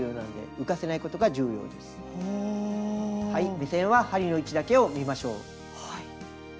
目線は針の位置だけを見ましょう。